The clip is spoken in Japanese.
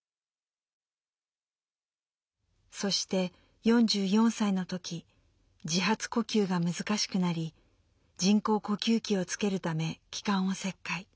そして４４歳の時自発呼吸が難しくなり人工呼吸器をつけるため気管を切開。